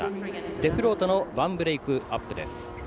デフロートの１ブレークアップです。